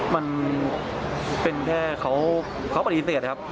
มันเป็นแค่เขาปฏิเสธครับ